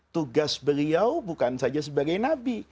tugas beliau bukan saja sebagai nabi